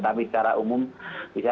tapi secara umum bisa